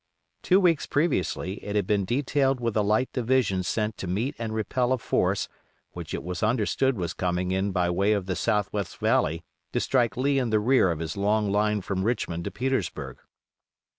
Two weeks previously it had been detailed with a light division sent to meet and repel a force which it was understood was coming in by way of the southwest valley to strike Lee in the rear of his long line from Richmond to Petersburg.